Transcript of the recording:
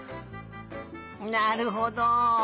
なるほど。